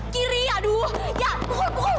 kiri aduh ya pukul pukul